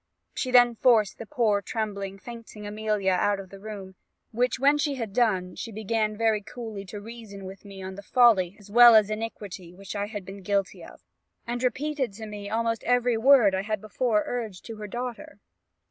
She then forced the poor, trembling, fainting Amelia out of the room; which when she had done, she began very coolly to reason with me on the folly, as well as iniquity, which I had been guilty of; and repeated to me almost every word I had before urged to her daughter.